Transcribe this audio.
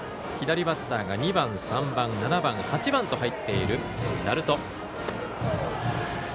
左バッターが２番３番７番８番と入っている鳴門。